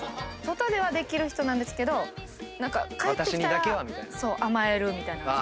外ではできる人なんですけど帰ってきたら甘えるみたいな。